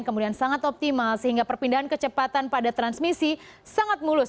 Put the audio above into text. kemudian sangat optimal sehingga perpindahan kecepatan pada transmisi sangat mulus